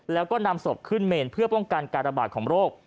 แล้วก็นำศพขึ้นเมนเพื่อป้องกันการระบาดของโรค